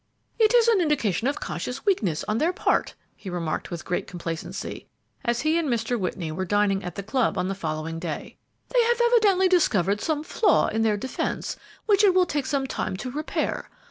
"It is an indication of conscious weakness on their part," he remarked with great complacency, as he and Mr. Whitney were dining at the club on the following day. "They have evidently discovered some flaw in their defence which it will take some time to repair.